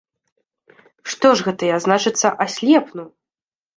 Што ж гэта я, значыцца, аслепну!